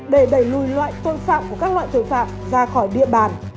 để đẩy lùi loại tội phạm của các loại tội phạm ra khỏi địa bàn